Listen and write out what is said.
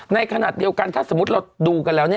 ในขณะเดียวกันถ้าสมมุติเราดูกันแล้ว